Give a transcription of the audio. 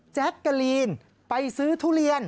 แจ๊กกะลีนไปซื้อทุเรียน